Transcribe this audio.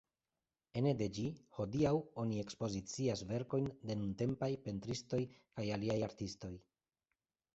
Ene de ĝi hodiaŭ oni ekspozicias verkojn de nuntempaj pentristoj kaj aliaj artistoj.